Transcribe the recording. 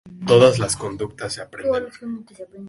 Todas las conductas se aprenden.